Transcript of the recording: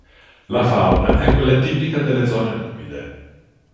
La fauna è quella tipica delle zone umide.